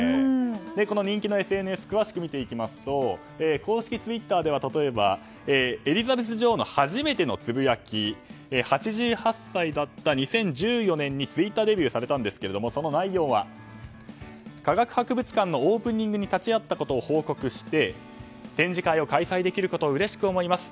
この人気のＳＮＳ詳しく見ていきますと公式ツイッターでは例えば、エリザベス女王の初めてのつぶやき８８歳だった２０１４年にツイッターデビューされたんですがその内容は、科学博物館のオープニングに立ち会ったことを報告して、展示会を開催できることをうれしく思います